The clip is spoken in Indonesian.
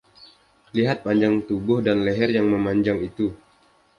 Lihat panjang tubuh dan leher yang memanjang itu.